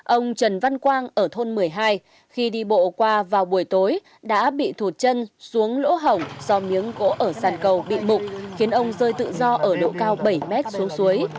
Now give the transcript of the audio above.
ông trần văn quang ở thôn một mươi hai khi đi bộ qua vào buổi tối đã bị thụt chân xuống lỗ hỏng do miếng gỗ ở sàn cầu bị mục khiến ông rơi tự do ở độ cao bảy m xuống suối